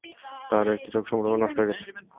তাঁর একটি চোখ সম্পূর্ণভাবে নষ্ট হয়ে গেছে।